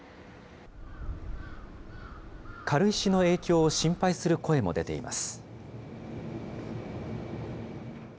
軽石の影響を心配する声も出ています。